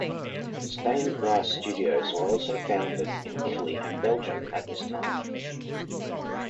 Stained glass studios were also founded in Italy and Belgium at this time.